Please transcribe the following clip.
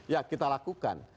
ya kita lakukan